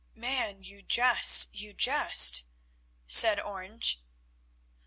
"Man, you jest, you jest!" said Orange.